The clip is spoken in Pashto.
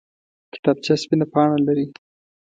کتابچه سپینه پاڼه لري